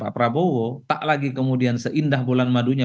bahwa pdip akan berkoalisi dengan prabowo tak lagi kemudian seindah bulan madunya